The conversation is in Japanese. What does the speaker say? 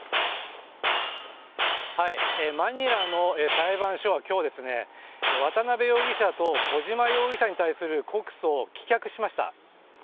マニラの裁判所は今日渡辺容疑者と小島容疑者に対する告訴を棄却しました。